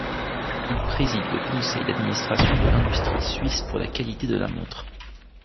Il préside le conseil d'administration de l'industrie suisse pour la qualité de la montre.